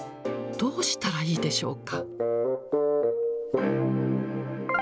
どうしたらいいでしょうか。